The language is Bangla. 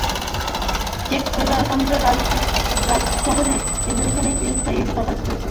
চেক প্রজাতন্ত্রের রাজধানী প্রাগ শহরে ইন্দোনেশিয়ার একটি স্থায়ী দূতাবাস রয়েছে।